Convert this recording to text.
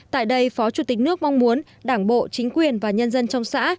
tại đây phó chủ tịch nước mong muốn đảng bộ chính quyền và nhân dân trong xã